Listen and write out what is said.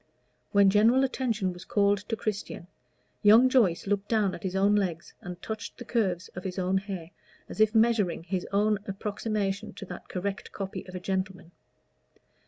When general attention was called to Christian young Joyce looked down at his own legs and touched the curves of his own hair, as if measuring his own approximation to that correct copy of a gentleman.